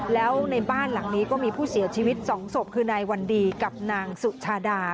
แล้วในบ้านหลังนี้ก็มีผู้เสียชีวิต๒ศพคือนายวันดีกับนางสุชาดา